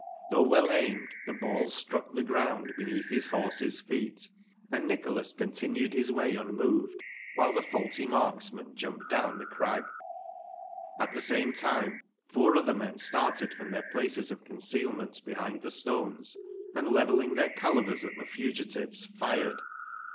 Tbougb well aimed, tbe ball Struck tbe groun^^i 1 462 THE LANCASHIRE WITCHES. beneatH bis horse's feet, and Nicbolas continued bis way un moved, wbile tbe faulty marksmen jumped down tbe crag. At tbe same time f our otbei: men started f rom tbeir places of con cealmcnt behind tbe stones, and, levelling tbeir calivers at tbe fugitives, fired.